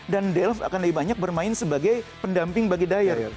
dan delph akan lebih banyak bermain sebagai pendamping bagi dyer